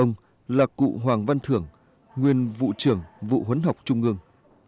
ông là cụ hoàng văn thưởng nguyên vụ trưởng vụ huấn học trung ương